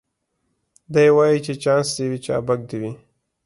دی وايي چي چانس دي وي چابک دي وي